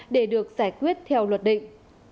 để được giải quyết theo luật định